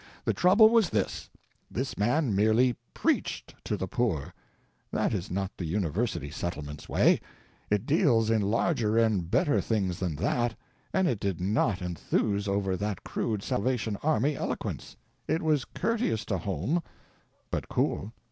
The trouble was this: this man merely preached to the poor; that is not the University Settlement's way; it deals in larger and better things than that, and it did not enthuse over that crude Salvation Army eloquence. It was courteous to Holme—but cool.